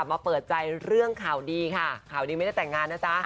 มาเปิดใจเรื่องข่าวดีค่ะข่าวนี้ไม่ได้แต่งงานนะจ๊ะ